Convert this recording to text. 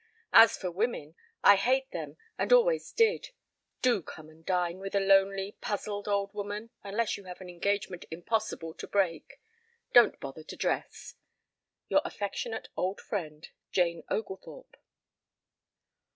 As for women I hate them and always did. Do come and dine with a lonely puzzled old woman unless you have an engagement impossible to break. Don't bother to dress. "Your affectionate old friend, "JANE OGLETHORPE."